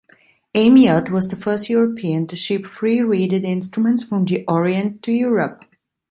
Amiot was the first European to ship free-reeded instruments from the orient to Europe.